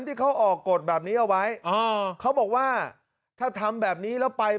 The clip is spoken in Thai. ที่เขาออกกฎแบบนี้เอาไว้อ๋อเขาบอกว่าถ้าทำแบบนี้แล้วไป